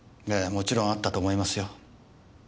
もちろんあったと思いますよ。